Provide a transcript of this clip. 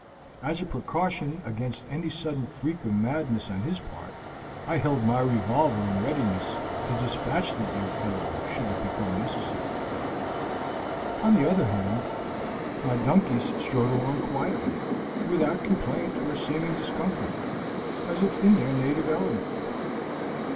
As a precaution against any sudden freak of madness on his part, I held my revolver in readiness to dispatch the dear fellow should it become necessary. On the other hand, my donkeys strode along quietly, without complaint or seeming discomfort, as if in their native element.